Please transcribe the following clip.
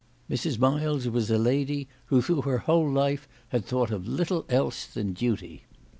Mrs. Miles was a lady who through her whole life had thought of little else than duty.